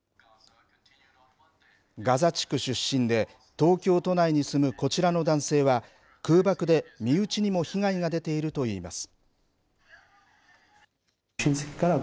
ガザ地区出身で、東京都内に住むこちらの男性は、空爆で身内にも被害が出ているといいます。